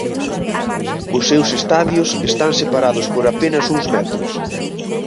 Os seus estadios están separados por apenas uns metros.